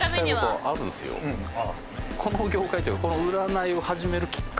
この業界というか。